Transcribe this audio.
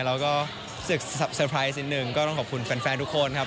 เราก็รู้สึกสบายสินหนึ่งก็ต้องขอบคุณแฟนทุกคนครับ